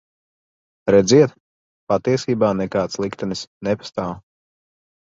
Redziet, patiesībā nekāds liktenis nepastāv.